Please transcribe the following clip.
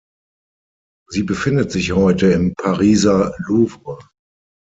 Sie befindet sich heute im Pariser Louvre.